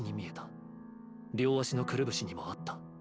両脚のくるぶしにもあった。